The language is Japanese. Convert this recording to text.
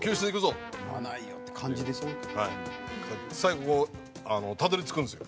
最後たどり着くんですよ。